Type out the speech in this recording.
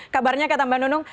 kabarnya kata mbak nunung